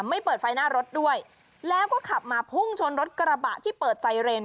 ไม่เปิดไฟหน้ารถด้วยแล้วก็ขับมาพุ่งชนรถกระบะที่เปิดไซเรน